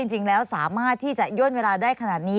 จริงแล้วสามารถที่จะย่นเวลาได้ขนาดนี้